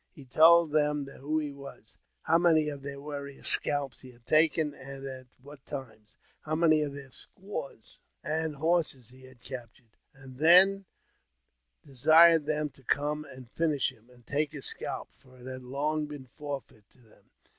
He :old them who he was, how many of their warriors' scalps he lad taken, and at what times ; how many of their squaws and lorses he had captured ; and then desired them to come and inish him, and take his scalp, for it had long been forfeit to hem.